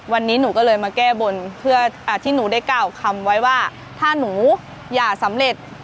วันนี้หนูก็เลยมาแก้บนเพื่อที่หนูได้กล่าวคำไว้ว่าถ้าหนูอย่าสำเร็จ